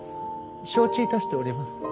承知致しております。